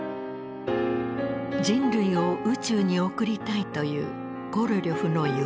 人類を宇宙に送りたいというコロリョフの夢。